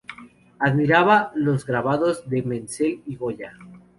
Admiraba los grabados de Menzel y Goya.